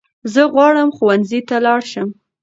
زه غواړم ښونځي ته لاړشم